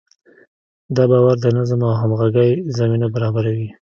دا باور د نظم او همغږۍ زمینه برابروي.